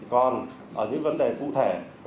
còn những vấn đề cụ thể